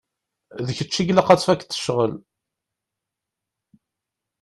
D kečč i ilaq ad tfakkeḍ ccɣel.